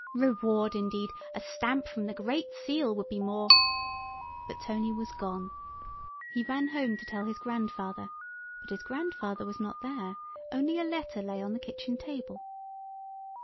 Reward indeed! a stamp from the Great Seal would be more——" But Tony was gone. He ran home to tell his grandfather—but his grandfather was not there—only a letter lay on the kitchen table.